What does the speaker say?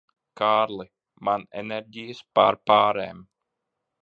Kārli, man enerģijas pārpārēm.